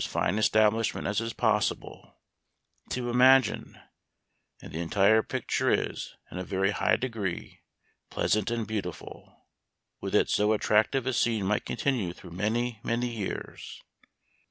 249 fine establishment as is possible to imagine ; and the entire picture is, in a very high degree, pleasant and beautiful. Would that so attractive a scene might continue through many, many years